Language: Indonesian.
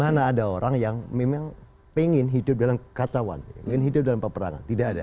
mana ada orang yang memang pengen hidup dalam kacauan ingin hidup dalam peperangan tidak ada